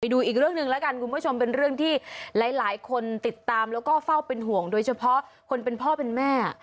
ดูอีกเรื่องหนึ่งแล้วกันคุณผู้ชมเป็นเรื่องที่หลายคนติดตามแล้วก็เฝ้าเป็นห่วงโดยเฉพาะคนเป็นพ่อเป็นแม่